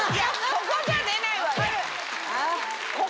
ここじゃないわよ！